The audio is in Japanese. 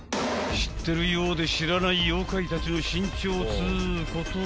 ［知ってるようで知らない妖怪たちの身長っつうことで］